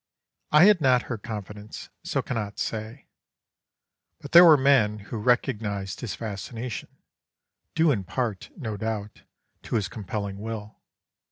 I had not her confidence, so cannot say; but there were men who recognised his fascination, due in part, no doubt, to his compelling will.